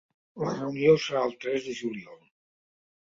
La reunió serà el tres de juliol.